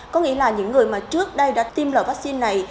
có nghĩa là những người mà trước đây đã tiêm loại vaccine này